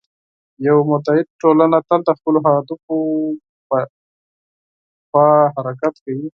یوه متعهد ټولنه تل د خپلو هدفونو په لور حرکت کوي.